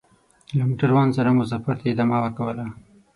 له موټروان سره مو سفر ته ادامه ورکوله.